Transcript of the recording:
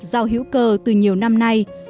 giao hữu cơ từ nhiều năm nay